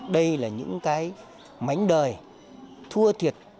đây là những cái mánh đời thua thiệt